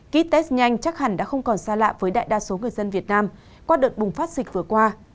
kit test nhanh chắc hẳn đã không còn xa lạ với đại đa số người dân việt nam qua đợt bùng phát dịch vừa qua